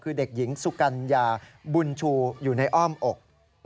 คือเด็กหญิงสุกัญญาบุญชูอยู่ในอ้อมอก